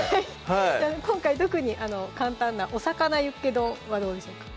はい今回特に簡単な「おさかなユッケ丼」はどうでしょうか